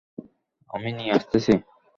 আমি নিয়ে আসতেছি!